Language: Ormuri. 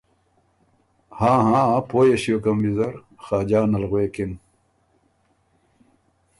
”هاں هاں پویه ݭیوکم ویزر“ خاجان غوېکِن۔